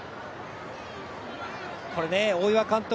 大岩監督